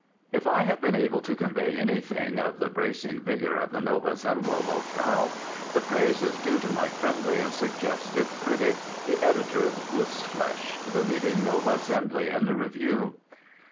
If I have been able to convey anything of the bracing vigour of the Nova Zembla locale the praise is due to my friendly and suggestive critic, the editor of Gooseflesh, the leading Nova Zemblan review.